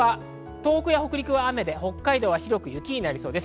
東北や北陸は雨で北海道は広く雪になりそうです。